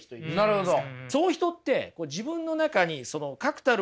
なるほど。